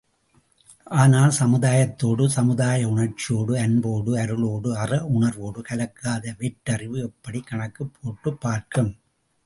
ஆனால், சமுதாயத்தோடு சமுதாய உணர்ச்சியோடு அன்போடு அருளோடு அற உணர்வோடு கலக்காத வெற்றறிவு எப்படிக் கணக்குப் போட்டுப் பார்க்கும்?